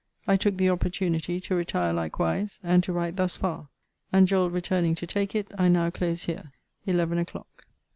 I took the opportunity to retire likewise; and to write thus far. And Joel returning to take it, I now close here. ELEVEN O'CLOCK.